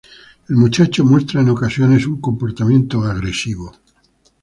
El muchacho muestra en ocasiones un comportamiento agresivo.